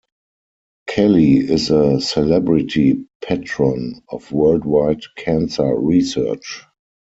Kelly is a celebrity patron of Worldwide Cancer Research.